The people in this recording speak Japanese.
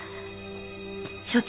所長？